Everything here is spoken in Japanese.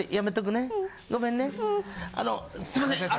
すみません